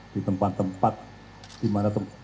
di tempat tempat dimana